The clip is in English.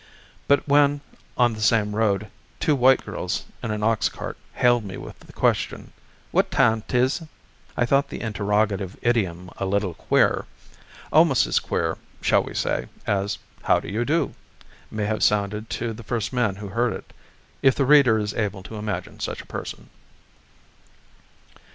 But when, on the same road, two white girls in an ox cart hailed me with the question, "What time 't is?" I thought the interrogative idiom a little queer; almost as queer, shall we say, as "How do you do?" may have sounded to the first man who heard it, if the reader is able to imagine such a person.